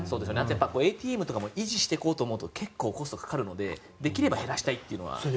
ＡＴＭとかも維持していこうとすると結構、コストかかるのでできれば減らしたいというのはありますね。